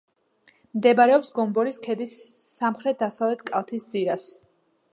მდებარეობს გომბორის ქედის სამხრეთ-დასავლეთ კალთის ძირას.